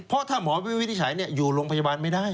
เพราะถ้าหมอวินิจฉัยอยู่โรงพยาบาลไม่ได้